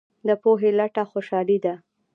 د پوهې لټه خوشحالي ده.